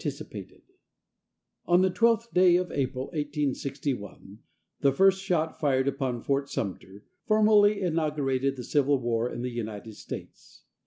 On the twelfth day of April, 1861, the first shot fired upon Fort Sumter, formally inaugurated the civil war in the United States.